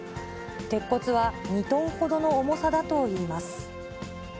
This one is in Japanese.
鉄骨は２トンほどの重さだといいます。